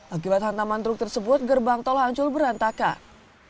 akibat hantaman truk tersebut gerbang tol hancur berantakan